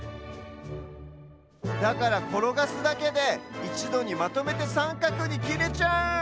だからころがすだけでいちどにまとめてさんかくにきれちゃう！